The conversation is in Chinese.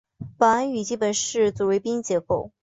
保安语基本上是主宾谓结构。